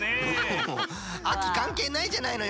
秋かんけいないじゃないのよ！